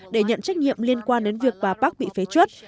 để nhận trách nhiệm liên quan đến việc bà park bị phế chuất